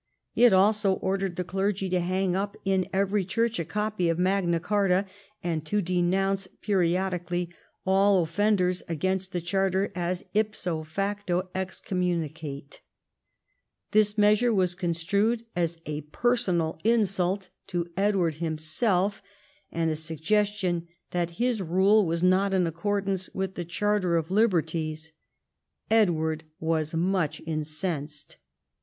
It also ordered the clergy to hang up in every great church a copy of Magna Carta, and to denounce periodically all offenders against the Charter as ipso facto excommunicate. This measure was con strued as a personal insult to Edward himself, and a suggestion that his rule was not in accordance with the Charter of Liberties. Edward was much incensed.